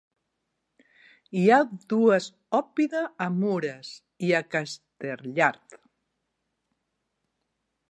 Hi ha dues oppida a Mures i a Chastellard.